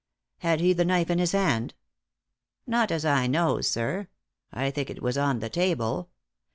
"Had he the knife in his hand?" "Not as I knows, sir. I think it was on the table.